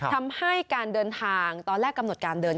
ทำให้การเดินทางตอนแรกกำหนดการเดิน